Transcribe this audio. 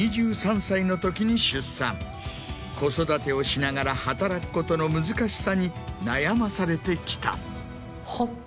子育てをしながら働くことの難しさに悩まされてきた。